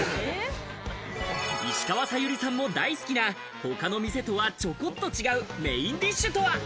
石川さゆりさんも大好きな、他の店とはちょこっと違う、メインディッシュとは？